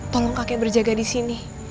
tolong kakek berjaga di sini